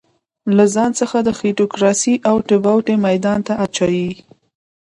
له ځان څخه د خېټوکراسۍ اوتې بوتې ميدان ته اچوي.